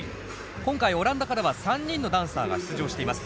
今回オランダからは３人のダンサーが出場しています。